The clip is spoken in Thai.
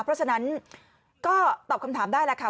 เพราะฉะนั้นก็ตอบคำถามได้แล้วค่ะ